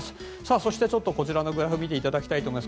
そして、こちらのグラフ見ていただきたいです。